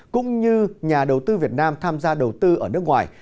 cũng như nhà đầu tư việt nam tham gia đầu tư ở nước ngoài